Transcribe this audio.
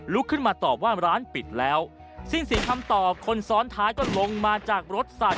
ขึ้นมาตอบว่าร้านปิดแล้วสิ้นเสียงคำตอบคนซ้อนท้ายก็ลงมาจากรถสัตว